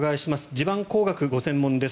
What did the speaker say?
地盤工学がご専門です。